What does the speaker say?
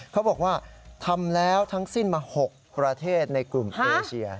เขาบอกว่าทำแล้วทั้งสิ้นมา๖ประเทศในกลุ่มเอเชีย